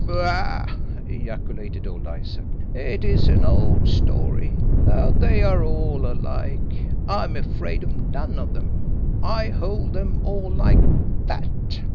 "Bah!" ejaculated old Isaac. "It is an old story. They are all alike. I am afraid of none of them. I hold them all like THAT!"